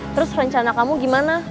terus rencana kamu gimana